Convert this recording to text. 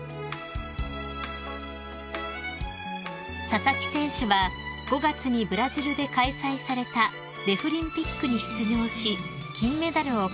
［佐々木選手は５月にブラジルで開催されたデフリンピックに出場し金メダルを獲得］